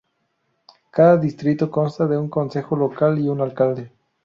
Cada distrito consta de un consejo local y un alcalde.